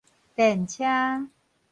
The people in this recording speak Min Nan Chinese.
電車